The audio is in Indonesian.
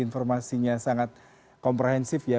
informasinya sangat komprehensif ya